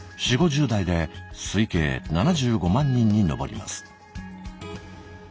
４０５０代で推計７５万人に上ります。